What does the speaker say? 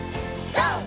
ＧＯ！